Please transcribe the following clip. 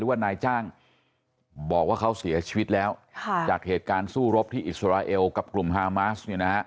ว่านายจ้างบอกว่าเขาเสียชีวิตแล้วจากเหตุการณ์สู้รบที่อิสราเอลกับกลุ่มฮามาสเนี่ยนะฮะ